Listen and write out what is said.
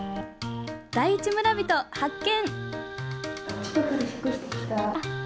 第一村人発見！